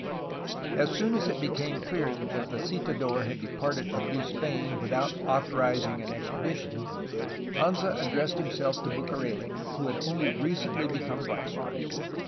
As soon as it became clear that the visiiador had departed from New Spain without authorizing an expedition, Anza addressed himself to Bucareli, who had only recently become viceroy.